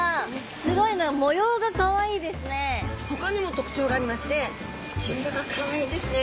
すごいほかにも特徴がありまして唇がかわいいんですね。